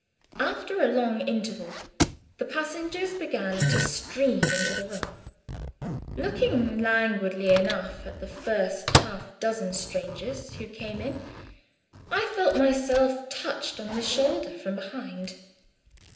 After a long interval the passengers began to stream into the room. Looking languidly enough at the first half dozen strangers who came in, I felt myself touched on the shoulder from behind.